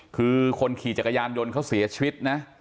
คือคนขี่จักรยานยนต์เขาเสียชีวิตนะ